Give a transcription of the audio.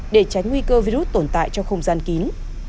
để tránh nguy cơ virus tồn tại trong không gian kín